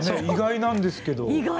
意外なんですけど。